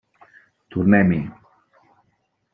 Tornem-hi.